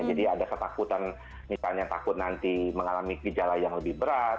jadi ada ketakutan misalnya takut nanti mengalami gejala yang lebih berat